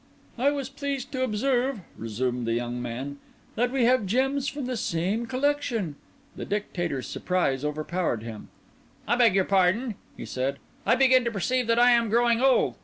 "I was pleased to observe," resumed the young man, "that we have gems from the same collection." The Dictator's surprise overpowered him. "I beg your pardon," he said; "I begin to perceive that I am growing old!